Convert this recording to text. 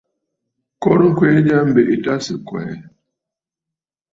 Korə ŋkwee jya, mbèʼe tâ sɨ̀ kwɛɛ.